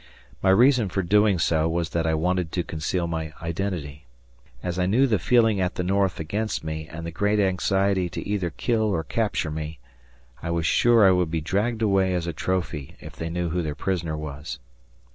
My reason for doing so was that I wanted to conceal my identity. As I knew the feeling at the North against me and the great anxiety to either kill or capture me, I was sure I would be dragged away as a trophy, if they knew who their prisoner was.